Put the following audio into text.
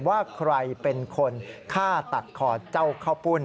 ว่าใครเป็นคนฆ่าตัดคอเจ้าข้าวปุ้น